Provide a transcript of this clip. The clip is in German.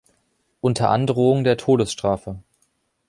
Unter Androhung der Todesstrafe.